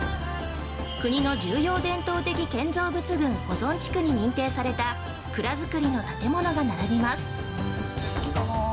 国の重要伝統的建造物群保存地区に認定された蔵造りの建物が並びます。